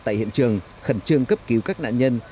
tại hiện trường khẩn trương cấp cứu các nạn nhân